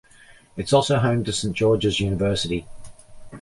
It is also home to Saint George's University.